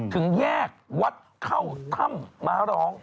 ถึงแยกวัดเข้าถ้ำม้าร้อง